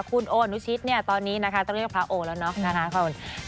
คุณโอนุชิคเนี่ยตอนนี้นะคะเป็นภาโอแล้วเนาะคะ